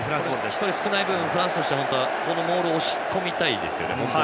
１人少ない分フランスはモールを押し込みたいですね。